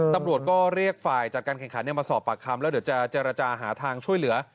ตำรวจก็เรียกฝ่ายจัดการแข่งขันมาสอบปากคำแล้วเดี๋ยวจะเจรจาหาทางช่วยเหลือ